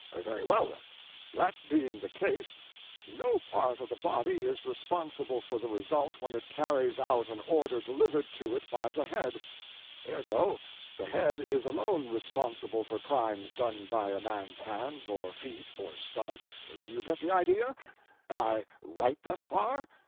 "Very well, then; that being the case, no part of the body is responsible for the result when it carries out an order delivered to it by the head; ergo, the head is alone responsible for crimes done by a man's hands or feet or stomach—do you get the idea? am I right thus far?"